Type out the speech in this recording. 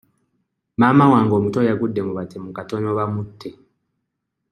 Maama wange omuto yagudde mu batemu katono bamutte.